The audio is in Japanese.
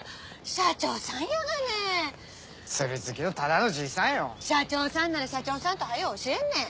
社長さんなら社長さんってはよ教えんね。